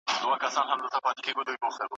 ویل زه چي پر دې لار یمه راغلی